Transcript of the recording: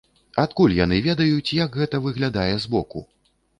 Адкуль яны ведаюць, як гэта выглядае з боку?